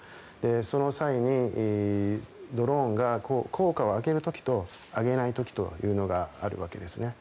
その際にドローンが効果を上げる時と上げない時というのがあるわけですね。